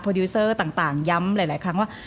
ดิวเซอร์ต่างย้ำหลายครั้งว่า